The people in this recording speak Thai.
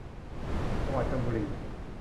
จังหวัดชลบุรี